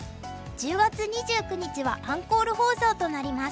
１０月２９日はアンコール放送となります。